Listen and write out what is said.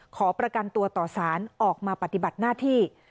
ขอประกันตัวต่อสารออกมาปฏิบัติหน้าที่